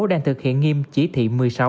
đang thực hiện nghiêm chỉ thị một mươi sáu